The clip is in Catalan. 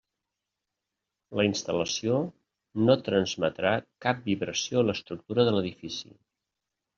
La instal·lació no transmetrà cap vibració a l'estructura de l'edifici.